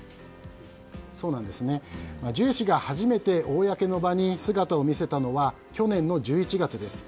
ジュエ氏が初めて公の場に姿を見せたのは去年の１１月です。